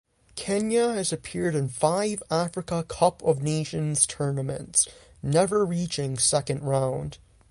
Kenya has appeared in five Africa Cup of Nations tournaments, never reaching second round.